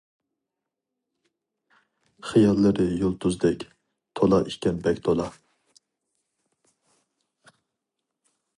خىياللىرى يۇلتۇزدەك، تولا ئىكەن بەك تولا.